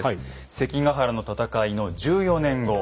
関ヶ原の戦いの１４年後。